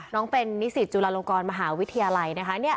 น้องเป็นนิสิตจุฬาลงกรมหาวิทยาลัยนะคะ